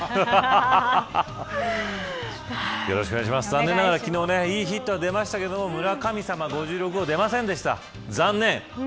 残念ながら昨日いいヒットは出ましたが村神様５６号出ませんでした残念。